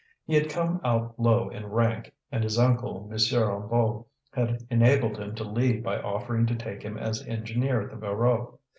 He had come out low in rank, and his uncle, M. Hennebeau, had enabled him to leave by offering to take him as engineer at the Voreux.